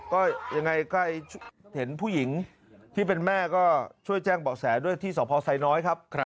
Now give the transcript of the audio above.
ก็ยังไงก็เห็นผู้หญิงที่เป็นแม่ก็ช่วยแจ้งเบาะแสด้วยที่สพไซน้อยครับ